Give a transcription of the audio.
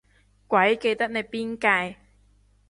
鬼記得你邊屆